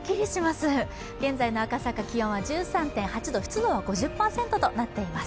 現在の赤坂１３．８度、湿度は５０％となっています。